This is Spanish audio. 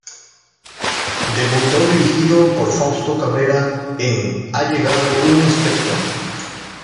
Debutó dirigido por Fausto Cabrera, en "Ha llegado un inspector.